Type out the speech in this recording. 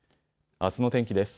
あすの天気です。